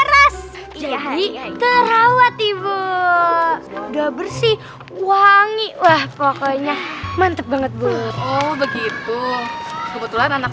keras jadi terawat ibu udah bersih wangi wah pokoknya mantep banget bu oh begitu kebetulan anak